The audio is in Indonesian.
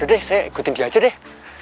udah deh saya ikutin kio aja deh